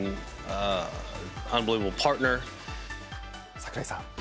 櫻井さん。